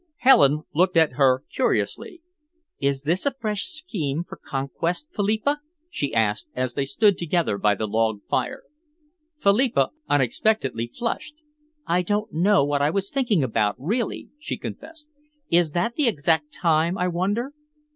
Helen looked at her curiously. "Is this a fresh scheme for conquest, Philippa?" she asked, as they stood together by the log fire. Philippa unexpectedly flushed. "I don't know what I was thinking about, really," she confessed. "Is that the exact time, I wonder?"